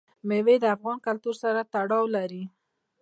مېوې د افغان کلتور سره تړاو لري.